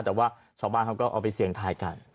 แต่ว่าชาวบ้านเขาก็เอาไปเสี่ยงทายกัน